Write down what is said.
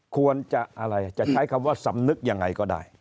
ควรจะอะไรจะใช้คำว่าสำนึกยังไงก็ได้